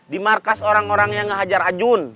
di markas orang orang yang hajar ajun